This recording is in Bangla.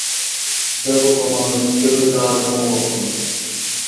দেব বা মানুষ কেহই তাঁহার সমকক্ষ নয়।